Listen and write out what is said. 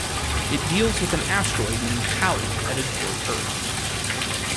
It deals with an asteroid named Kali headed toward Earth.